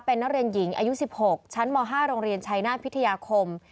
เป็นนักเรียนหญิงอายุ๑๖ชั้นม๕โรงเรียนชายนาฏพิทยาคม